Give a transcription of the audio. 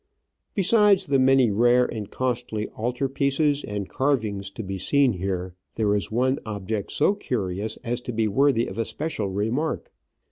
Besides the many rare and costly altar pieces and carvings to be seen here, there is one object so curious as to be worthy of a special remark.